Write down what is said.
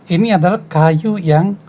ini adalah kayu yang